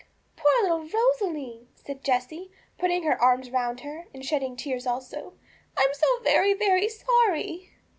'Poor little Rosalie!' said Jessie, putting her arms round her, and shedding tears also. 'I am so very, very sorry!'